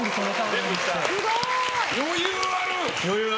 余裕ある！